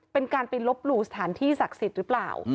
เป็นการไปลบหลู่สถานที่ศักดิ์สิทธิ์หรือเปล่า